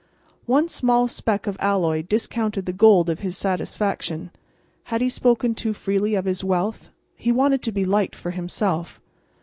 One small speck of alloy discounted the gold of his satisfaction. Had he spoken too freely of his wealth? He wanted to be liked for himself.